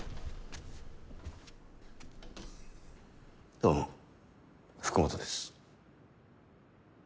どうも福本です。